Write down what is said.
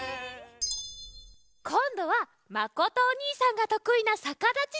こんどはまことおにいさんがとくいなさかだちでわなげだよ！